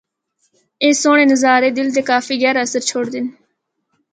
اے سہنڑ نظارے دل تے کافی گہرا اثر چھوڑدے ہن۔